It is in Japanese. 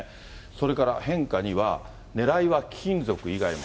それから、変化２は、ねらいは貴金属以外も。